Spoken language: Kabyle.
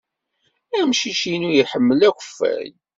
Amcic-inu iḥemmel akeffay.